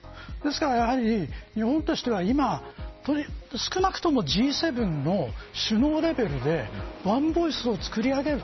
ですから、日本としては今少なくともＧ７の首脳レベルでワンボイスをつくり上げる。